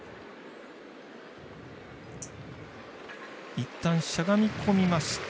いったん、しゃがみこみました。